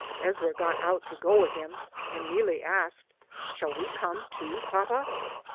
Ezra got out to go with him and Neelie asked, ''Shall we come, too, papa?"